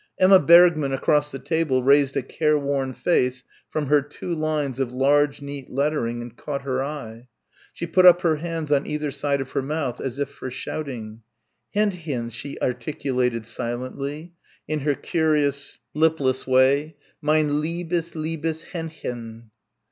Emma Bergmann across the table raised a careworn face from her two lines of large neat lettering and caught her eye. She put up her hands on either side of her mouth as if for shouting. "Hendchen," she articulated silently, in her curious lipless way, "mein liebes, liebes, Hendchen."